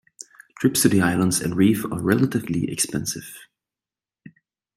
Trips to the islands and reef are relatively expensive.